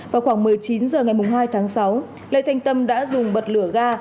vào khoảng một mươi chín h ngày hai tháng sáu lê thanh tâm đã dùng bật lửa ga